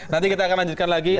nanti kita akan lanjutkan lagi